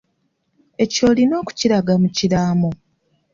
Ekyo olina okukiraga mu kiraamo.